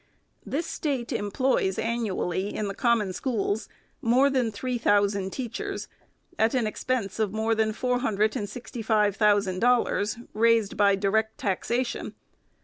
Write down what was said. This State employs, annually, in the Common Schools, more than three thou FIRST ANNUAL REPORT. 403 sand teachers, at au expense of more than four liundred and sixty five thousand dollars, raised by direct taxation.